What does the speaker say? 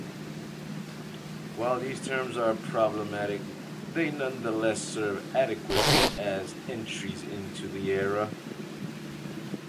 While these terms are problematic, they nonetheless serve adequately as entries into the era.